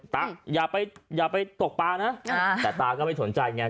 ตะอย่าไปตกปลานะแต่ตาก็ไม่สนใจไง